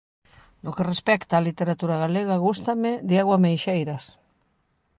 No que respecta á literatura galega, gústame Diego Ameixeiras.